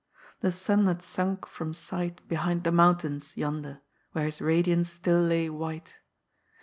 The sun had sunk from sight behind the mountains, yonder, where his radiance still lay white.